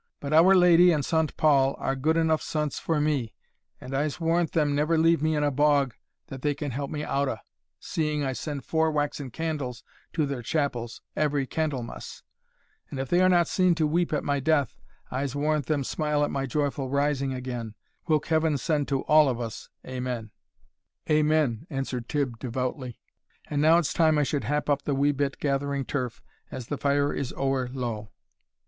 But our Lady and Saunt Paul are good eneugh saunts for me, and I'se warrant them never leave me in a bog that they can help me out o', seeing I send four waxen candles to their chapels every Candlemas; and if they are not seen to weep at my death, I'se warrant them smile at my joyful rising again, whilk Heaven send to all of us, Amen." "Amen," answered Tibb, devoutly; "and now it's time I should hap up the wee bit gathering turf, as the fire is ower low."